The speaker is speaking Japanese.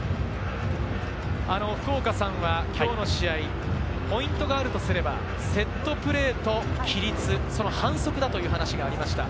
福岡さんはきょうの試合、ポイントがあるとすればセットプレーと規律、その反則だという話がありました。